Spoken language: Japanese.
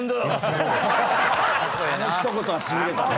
あの一言はしびれたね。